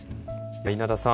永田さん